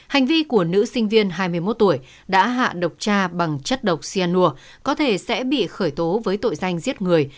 hành vi của nữ sinh viên hai mươi một tuổi đã hạ độc cha bằng chất độc cyanur có thể sẽ bị khởi tố với tội danh giết người